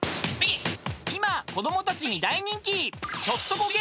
［今子供たちに大人気］